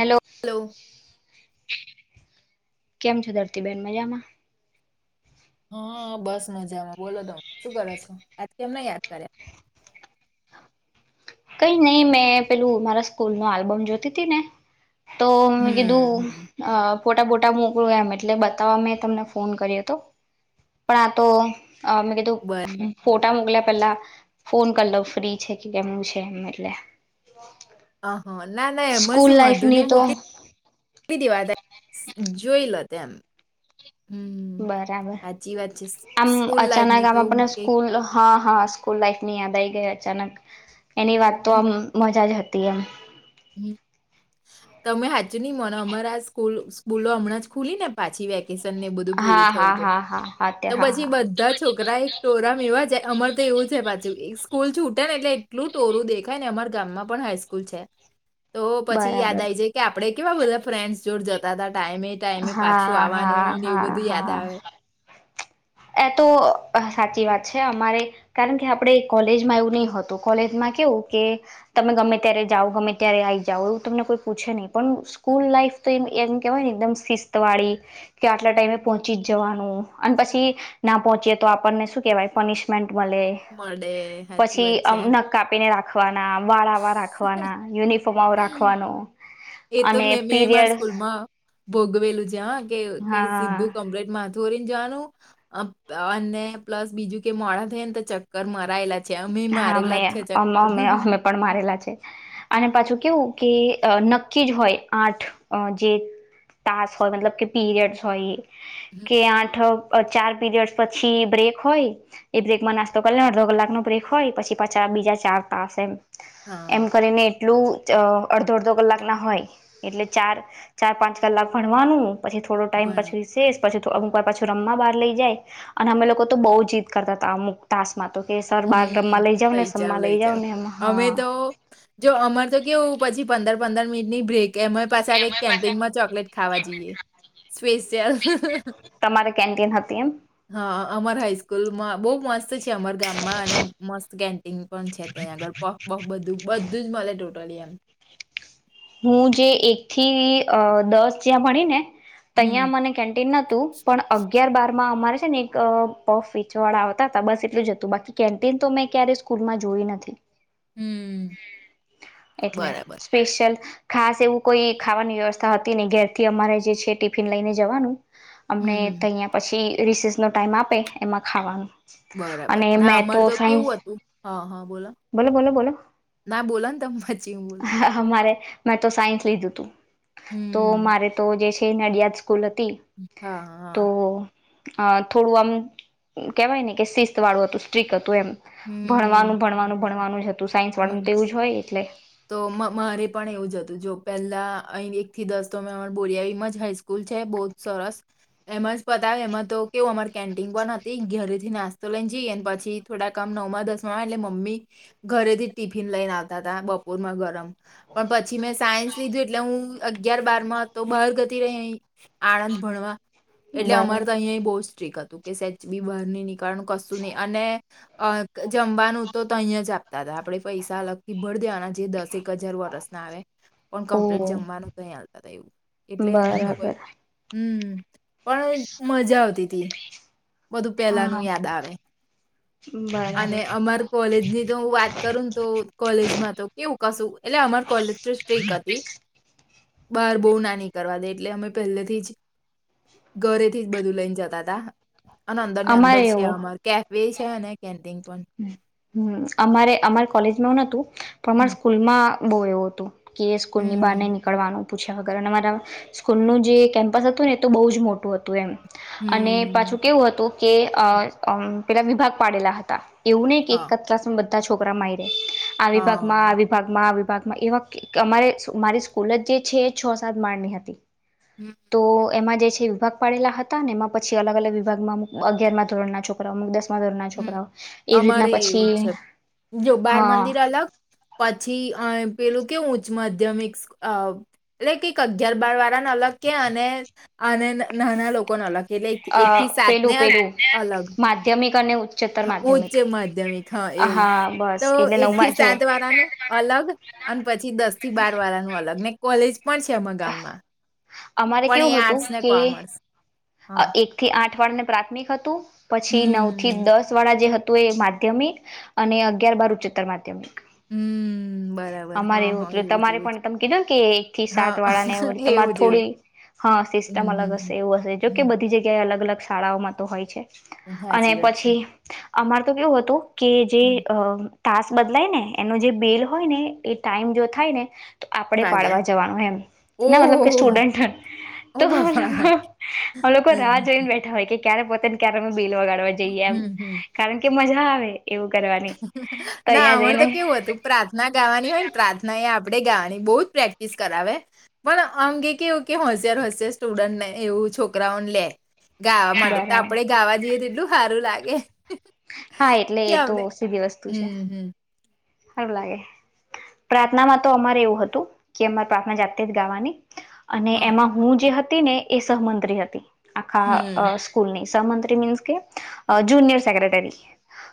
Hello hello. કેમ છો ધરતીબેન મજામાં? હા બસ મજામાં બોલો ત શું કરો છો આજ કેમને યાદ કર્યા? કઈ નહી મેં પેલું મારા સ્કૂલ નો આલ્બમ જોતી તી ને. તો મે કીધું હમ અ ફોટાપોટા મુું એમ એટલે બતાવવા મેં તમને ફોન કર્યો હતો પણ આ તો અ મે કીધું બર ફોટા મોકલ્યા. પેલા ફોન કર લો ફ્રી છે કે, કેમ છે? નેટલે હ હ ના ના એમાં શું વાંધો લાઈફની નહી તો મોકલી મોકલી દેવા તા જોઈ લોત એમ બરાબર સ- આમ સ્કૂલ અચાનક લાઈફની તો આમાં પણને કઈક સ્કૂલ હા હા સ્કૂલ લાઈફની યાદ આઇ ગઈ. અચાનક એની વાત તો આમ મજા જ હત. યા તમે હાચું નહી મોનો અમારા સ્ સ્કૂલો હમણાં જ ખુલી ને પાછી વેક [unintelligible] ને એ બધું પૂરું હા થયું હા હતું હા હા હા તો અત્યારે હા હા પછી હા બધા છોકરા એક ટોરામા એવા જાય અમાર તો એવું છે પાછું સ્કૂલ છૂટે ને એટલે એટલું ટોરું દેખાય ને અમાર ગામમાં પણ હાઈસ્કૂલ છે. તો પછી યાદ બરાબર આવી જ કે આપડે કેવા બધા ફ્રેન્ડસ જોડ જતા હતા ટાઈમે ટાઈમે પાછું હા હા આવાનું ને એવું હા બધું યાદ હા આવે. એ તો સાચી વાત છે અમારે કારણ કે આપડે કોલેજમાં એવું નહી હતું કોલેજમાં કેવું કે તમે ગમે ત્યારે જાઓ ગમે ત્યારે આવઈ જાઓ એવું તમને કોઈ પૂછે નહીં પણ સ્કૂલ લાઈફ તો એ એમ કેહેવાય ને એકદમ શિસ્ત વાળી કે આટલા ટાઈમે પોહોંચી જ જવાનું અન પછી ના પહોંચીએ તો આપણને શું કેહેવાય પનિશમેન્ટ મલે મળે સાચી પછી વાત છે આમ નખ કાપીને રાખ વાળાવા રાખવાના યુનિફોર્મ રાખવાનું. એ તો મે મે માર સ્કૂલમાં ભોગવેલું જ્યા કે તે હા સીધું કમરેટમાં ધોરીને જવાનું અને પ્લસ બીજું કે મોડા થઈ ને તો ચક્કર માર રાયેલા છે અમે હા મારેલા છે મેં અમે ચક્કર અમે અમે પણ મારેલા છે. અને પાછું કેવું કે નક્કી જ હોય આઠ જે તાસ હોય મતલબ કે પીરિયડસ હોય ઇ કે આઠ ચાર પીરિયડ્સ પછી બ્રેક હોય તેટલેકમાં બ્રેકમાં નાસ્તો કરી લેવાનો અડધો કલાકનો બ્રેક હોય પછી પાછા બીજા ચાર તાસ એમ એમ હા કરીને એટલું જ અડધો અડધો કલાક ના હોય એટલે ચાર ચાર પાંચ કલાક ભણવાનું પછી થોડો ટાઈમ ભણવા પછી રિસેસ પછી અમુક વાર પાછું રમવા બહાર લઈ જાય અને અમે લોકો તો બઉ જીત કરતા હતા અમુક તાસ માં તો સર બહાર રમવા હમ ને લઈ જાવ રમવા લઈ જાવ ને એમ હા અમે તો જો અમાર તો કેવું પછી પંદર પંદર મિનિટની બ્રેક. એમાંય પાસે આ કઈક કેન્ટીનમાં ચોકલેટ ખાવા જઈએ સ્પેશિયલ તમારે કેન્ટીન હતી એમ હા અમાર હાાઈસ્કૂલ માં બઉ મસ્ત છે અમાર મા અને મસ્ત કેન્ પણ છે ત્યાં આગળ પફ બફ બધું જ મલે ટ્રોલયન હું જે એક થીઅ દસ જ્યાં ભણી ને ત્યાં હમ, મને કેન્ટીન માં તો પણ અગિયાર બાર માં અમારે છે ને એક પફ વેચવા વાળા આવતા હતા બસ એટલું જ હતું બાકી કેન્ટીન તો મેં ક્યારે સ્કૂલમાં જોયુ નથી. હમ. એટલે બરાબર. સ્પેશિયલ ખાસ એવું કોઈ ખાવાની વ્યવસ્થા હતી ની ઘેરથી અમારે જે છે ટિફિન લઈને જવાનું હમ, અમને હમ. તહયાં પછી રિસેસનો ટાઈમ આપે એમાં ખાવાનો બરાબર ના અમાર તો કેવું હતું હા હા બોલો બોલો બોલો ના બોલો ને ત પચી મારે મેં તો સાયન્સ લીધું તું તો હમ. મારે તો જે છે ખ નડિયા સ્કૂલ હતી હા, તો હા. અ થોડું આમ કેવાય ને કે શિસ્ત વાળું હતું સ્ટ્રીક હતું. એ હમ. ભણવાનું ભણવાનું ભણવાનું જ હતું સાય પણ હમ. તેવું જ હોય એટલે? તો મારે પણ એવું જ હતું જો પહેલા અહીં એક થી દસ તો અમા બોરિયામાં જ હાઈસ્કૂલ છે બહુ જ સરસ એમાં જ પતાવે એમાં તો કેવું અમાર કેન્ટીન પણ હતી ઘરે થી નાસ્તો લઈને જઈ પછી થોડા કામ નવમાં દસ માં એટલે મમ્મી ઘરે થી ટિફિન લઈને આવતા હતા બપ માં ગરમ પણ પછી મેં સાયન્સ લીધું એટલે હું અગિયાર બાર તો બહાર ગતી રહી અહી આણંદ ભણવા એટલે બરાબર અમારે તો અહીયાં બહુ સ્ટ્રીક હતી. તો કે સેચ બહાર નની ણ કશું નહી અને જમવાનું તો અહીં જ આપતા હતા આપડે પૈસા અલગથી ભળ દેવાના. જે દસ એક હજાર વર્સ ના આવે પણ ઓ કમ્પ્લીટ જમવાનું કઈતા એવું એટલે એનું તો કઈક બરાબર હમ પણ મજા આવતી તી. બધું હા પેલાનું યાદ આવે અને બરાબર. અમાર કોલેજ ની તો હું વાત કરું ને તો કોલેજમાં તો કેવું કશું એટલે અમાર કોલેજ તો સ્ટ્રીક હતી. બહાર બહુવ ના ની કરવા દે એટલે અમે પહેલેથી જ ઘરેથી જ બધું લઈને જતા હતા. અને અંદર ને અંદર અમારે છે એવું અમાર કેફે છે કેન્ટિન. અમારે અમારે કોલેજમાં હ નતું. પણમારા હમ. સ્કૂલમાં બહુ એવો હતું કે એ સ્કૂલ ની બાર ઈ હમ. નીકળવાનું પૂછ જ કારણ અમારા સ્કૂલનું જે કેમ્પસ હતું ને તો બહુ જ મોટું હતું એમ અને હમ. પાછું કેવું હતું કે અ પેલા વિભાગ પાડેલા હતા એવું એક હા. કત્રલા સંબંધ છોકરા માઈડ અ પાકમાં હા. આવી પાકમાં આવી. ાગમાં એ અમારે મારી સ્કૂલ જ જે છે એ છ સાત માળની હતી હમ. તો, એમાં જે છે વિભાગ પાડેલા હતા ને એમાં પછી અલગ અલગ વિભાગમાં અમુ અગ્યારમાં ધોરના છોકરા અમુક દસ માં દરના હમ. છોકરાઓ. એવી રીતના અમારે એવું પછી છે, જો બાર હા મંદિર અલગ, પછી અ પેલું કેવું ઉચ્ચ માધ્યમિક્સ અ એટલે કૈક અગ્યાર બાર વાર [unintelligible] અલગ કે અને અને નાના લોકોને અલગ કે, એટલે એક અ એક થી સાત ને પેલું પેલું અલગ માધ્યમિક અને ઉ ઉચ્ચ માધ્યમિક હા એવું, બસ તો એટલે એક નવમાં થી જો સાત વાળાનું અલગ અં પછી દસ થી બાર વારા નું અલગ ને કોલેજ પણ છે અમા ગામમાં. અમારે પણ એ કેવું હતું આર્ટસ ને કે કોમર્સ હા એક થી આઠ અઠવાડ ને પ્રાથમિક હતું પછી નવ થી હમ્મ દસ વાળા જે હ તો એ માધ્યમિક, અને અગિયાર બાર ઉચ્ચતર માધ્યમિક. હમ્મ્મ. અમારે એવુંતુ તમારે પણ તમે કીધો ને કે એક થી સાત હા વાળા ને તમારે એવું જ એવું થોડી હા સિસ્ટમ હમ્મ અલગ હશે હમ્મ એવું હશે જો કે હમ્મ બધી જગ્યાએ અલગ અલગ શાળાઓમાં તો હોય છે. હા જી વાત છે. અમાર તો કેવું હતું કે જે હમ્મ અમ તાસ બદલાયને, એનું જે બિલ હોય ને, એ ટાઈમ જો થાય ને તો આપણેે વાગે પાડવા જવાનું એમ, ના મતલબ કે ઓહો સ્ટુડન્ટ હો તો બાપા લોહ અ લોકો રાહ હમ્મ જોઈને બેઠા હોય કે ક્યારે પતેને, ક્યારે બેલ વગાડવા જઈએ એમ, હમ્મ કારણ કે મજા આવે. એવું કરવાની તો ના અહિયાં અમારે જઈને તો કેવું હતું પ્રાર્થના ગાવાની હોય ને પ્રાથના એ આપણે ગાવાની, બહુ જ પ્રેક્ટિસ કરાવે, પણ અંગે કેવું કે હોશિયાર હોશિયાર સ્ટુડન્ટને એવું છોકરાઓને લે. ગાવા માટે તો બરાબર આપડે ગાવા જઈએ તેટલું હારું લાગે હા એટલે કે એ તો આપણે સી ધી વસ્તુ છે. હમ હમ હારુ લાગે પ્રાર્થનામાં તો અમારે એવું હતું કે અમારે પ્રાર્થના જાતે જ ગાવાની. અને હા એમાં હું જે હત તી ને એ સહમંત્રી હતી. આખા અ હમ સ્કૂલની સહમંત્રી મીન્સ કે અ જુનિયર સેક્રેટરી.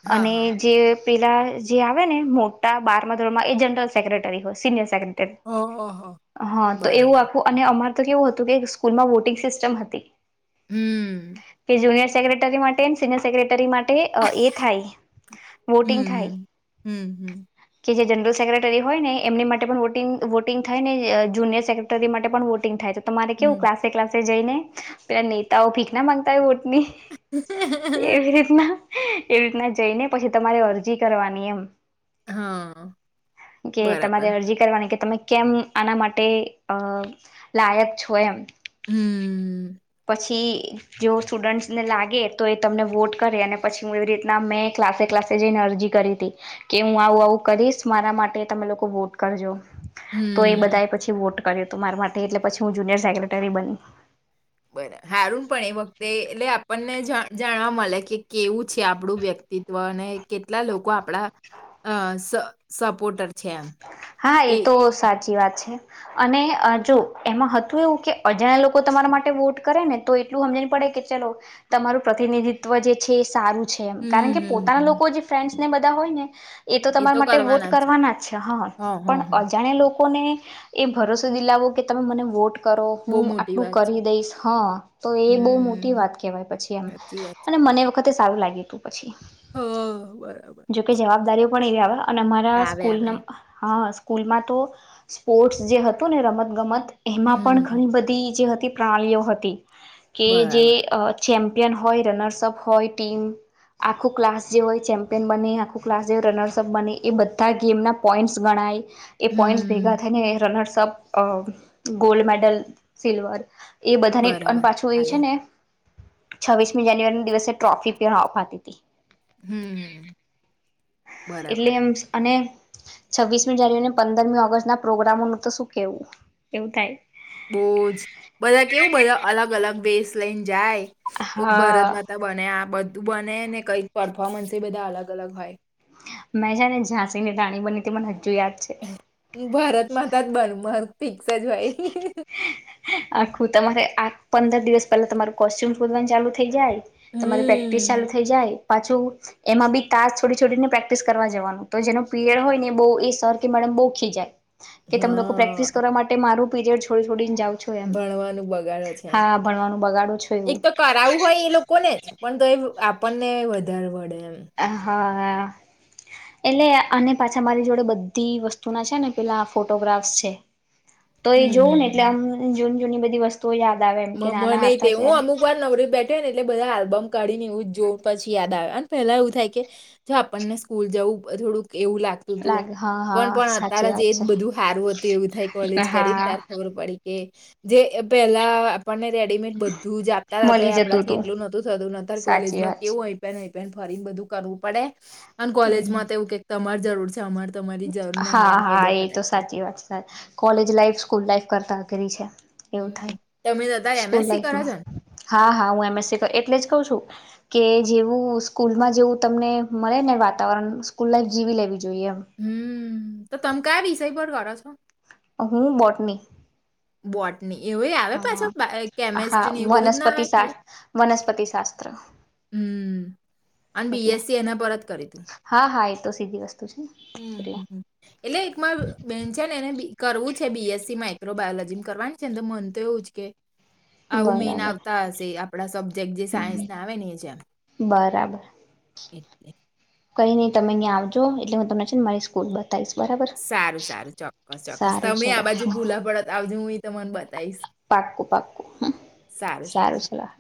હા અને હા જે પેલા જે આવે ને મોટા બારમાં ધોરણમાં એ જનરલ સેક્રેટરી હોય સિનયર સેક્રેટરી. રી ઓહો તે હા તો એવું બરાબર આખું અને અમારુ તો કેવું હતું કે સ્કૂલમાં વોટિંગ સિસ્ટમ હતી. હમ્મ. કે જુનિયર સેક્રેટરી માટેય ને સિનિયર સેક્રેટરી માટે ટે અ એ થાય વોટિંગ થાય. હમ હમ હમ હમ કે જે જનરલ સેક્રેટરી હોય ને એમની માટે પણ વોટિંગ વોટિંગ થાય ને અ જુનિયર સેક્રેટરી માટે પણ વોટિંગ થાય તો તમારે કેવું હમ. ક્લાસે ક્લાસે જઈને પેલા નેતાઓ ભીખ ના માંગતા હોય વોટ ની એવી રીતના એ રીતના જઈને પછી તમારે અરજી કરવાની એમ હા કે બરાબર તમારે અરજી કરવાની કે તમે કેમ આના માટે અ લાયક છો એમ. હમ પછી જો સ્ટુડન્ટ્સને લાગે તો એ તમને વોટ કરે અને પછી હું એવી રીતના મેં ક્લાસે ક્લાસે જઈને અરજી કરી હતી. કે હું આવું આવું કરીશ મારા માટે તમે લોકો વોટ કરજો. તો એ હમ બધાએ પછી વોટ કર્યો તો માર માટે એટલે પછી હું જુનિયર સેક્રેટરી બની. બરા હારુન પણ એ વખતે એટલે આપણને જા જાણવા મળે કે કેવું છે આપણું વ્યક્તિત્વ અને કેટલા લોકો આપણા અ સ સપોર્ટર છે એમ હા એ તો સા ચી વાત છે અને જો એમાં હતું એવું કે અજાણ્યા લોકો તમારા માટે વોટ કરે ને તો એટલું હમજણ પડે કે ચલો તમારું પ્રતિનિધિત્વ જે છે એ સારું છે હમ કારણ કે હમ પોતાના હમ લોકો જે ફ્રે ને બધા હોય ને. એ તો તમારા માટે વોટ કરવાના જ. અ હા હ હ પણ હ અજાણે લોકો ને એ ભરોસો દિલાવો કે તમે મને વોટ કરો બહુ હું મોટી આટલું વાત છે કરી દઈશ હા તો એ બહુ મોટી હમ વાત કેહેવાય પછી એમ સાચી અને મને વખતે સારું લાગ્યું હતું પછી. હા. જોકે જવાબદારીયો કો ગવા. [unintelligible] અને અમારા આવે આવે સ્કૂલના હા સ્કૂલમાં તો સ્પોર્ટ્સ જે હતું ને રમત ગમત એમાં પણ હમ ઘણી બધી જે હતી પ્રણાલીઓ હતી કે જે બરાબર ચેમ ચમ્પિયન હોય રનર્સપ હોય ટીમ આખું ક્લાસ જે હોય ચેમ કેપ્ટન બને આખું ક્લાસ જેવ રનર્સઅપ બને એ બધા ગેમના પોઈન્ટ્સ ગણાય એ પોઈન્ટ ભેગા હમ થાય ને રનર્સ અપ અ ગોલ્ડ મેડલ સિલ્વર એ બધાની પણ બરાબર પાછું એ હાલે છે ને છવ્વીસમી જાન્યુરીના દિવસે ટ્રોફી પય આપીતી હમ્મ બરાબર. એટલે એમ અને છવ્વીસમી જાન્યુઆરીને પંદરમી ઓગસ્ટના પ્રોગ્રામોનું તો શું કેહેવું એવું થાય બહુ જ ત્લેઈન જાય. કોક ભરત હા માતા બને આ બધ બને ને કઈક પરફોર્મન્સ એ બધા અલગ અલગ હોય મેં જા ને ઝાંસી ની રાણી બની ત મને હજુ યાદ છે. હ ભારત માતાત બનબર ફિક્સ જ ભાઈ આખું તમારે આ પંદર દિવસ પેલા તમારું કોસ્ટ્યુમસ બોવાનું ચાલુ થઈ જાય તમારી પ્રેક્ટિસ ચાલુ હમ થઈ જાય પાછું એમાં બી તાસ છોડી છોડીને પ્રેક્ટિસ કરવા જવાનું તો જેનો પીરયડ હો ને બહુ એ સર કે મેડમ બહુ ખી જાય કે તમે લોકો હા પ્રેક્ટિસ કરવા માટે મારું પીરિયડ છોડીને જાઓ છો એમ. ભણવાનું બગાડો છે એમ હા ભણવાનું બગાડો છો એક એવું તો કરાવું હોય એ લોકોને જ પણ તો એ આપણને વધારે વડે. આ હા. હ એટલે અને પાછા મારી જોડે બધી વસ્તુ ના છે ને પેલા ફોટોગ્રાફ્સ છે. તો એ જોવું ને એટલે આમ જોમ ની બધીસ્ માં મનેય તે હું અમુક વાર નવરી બેઠી ને એટલે બધા આલ્બમ કાઢીને એવું જો પછી યાદ આવે પેલા એવું થાય કે જો આપણને સ્કૂલ જવું થોડું એવું લાગતું હતું લાગે હા પણ હા પણ અત્યારે સાચી જે વાત જ બધું હારવું હતું એવું થાય છે કોલેજ કરીને હા તારે ખબર પડી. કે જે પહેલા આપણને રેડીમેડ બધું જ આપતા તો એ મળી જતું આપડાથી તું. એટલું નોતું થતું અત્યારે સાચી કોલેજમાં વાત કેવું અય પન ફરીને બધું કરવું પડે. અને છે કોલેજ હમ. માંવું જે તમારે જરૂર છે. અમારે તમારી જરૂર નહીં હા એમ કહી હા દે એ તો ફટાક દે સાચી વાત છે કોલેજ લાઈફ સ્કૂલ લાઈફ કરતાં અઘરી છે. એવું હમ્મ થાય તમે સ્કૂલ એમએસસી કરો છો ને લાઈફમાં હા હા હું એમએસસી એટલે જ કહું છું. કે જેવું સ્કૂલમાં જેવું તમને મળે ને વાતાવરણ સ્કૂલ લાઈફ જીવી લેવી. જોઈએ એમ. હમ તો તમે કયા વિષય વરો છો? હું બોટની. બોટ એવ આવે પાછ હા હા કેમેસ્ટ્રી ની એ બધું જ ના વનસ્પતિ આવે શા ખાલી વનસ્પતિ શાસ્ત્ર હમ્મ અને એટલે બીએસસી એના પરત કરીતિ. હા હા એ તો સી દિવસ હમ્મ હમ્મ હમ્મ એટલે એકમાંર બેન છેન એને કરવું જ છે બીએસસી માઇક્રો બાયોલોજી કરવાની છે તો મન તો એવું જ કે આવું મેન બરાબર આવતા હશે આપડા સબ્જેક્ટ જે સાયન્સ ના આવે ને એ જેમ. એટલે. કરી ની તમે અહીંયા આવજો એટલે હું તમને છે ને મારી સ્કૂલ બટ સારું સારું ચોક્કસ ચોક્કસ સારું તમે ચલો આ બાજુ ભૂલા પડત આવતા. [unintelligible] પાક્કું પાક્કું સારું ચલા